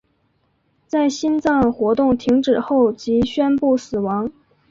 在心脏活动停止后即宣布死亡。